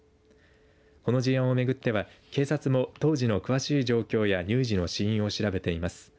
この事案を巡っては警察も当時の詳しい状況や乳児の死因を調べています。